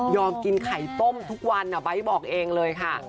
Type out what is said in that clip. ยอมกินไข่ต้มทุกวันอ่ะไบ๊บอกเองเลยค่ะ